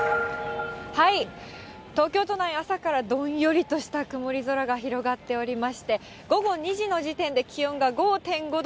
東京都内、朝からどんよりとした曇り空が広がっておりまして、午後２時の時点で気温が５．５度。